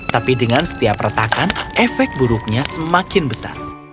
tapi dengan setiap retakan efek buruknya semakin besar